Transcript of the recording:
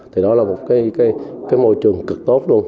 thì đó là một cái môi trường cực tốt luôn